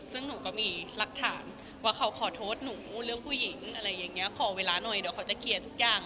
ซึ่งหนูก็มีหลักฐานว่าเขาขอโทษหนูเรื่องผู้หญิงอะไรอย่างนี้ขอเวลาหน่อยเดี๋ยวเขาจะเคลียร์ทุกอย่าง